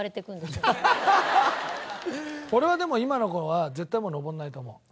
俺はでも今の子は絶対もう登らないと思う。